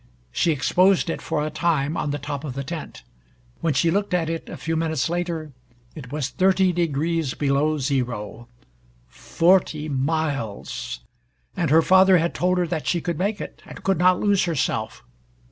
She exposed it for a time on the top of the tent. When she looked at it a few minutes later it was thirty degrees below zero. Forty miles! And her father had told her that she could make it and could not lose herself!